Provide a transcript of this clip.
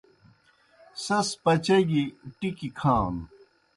سیْس پچاگیْ ٹِکیْ کھانوْ۔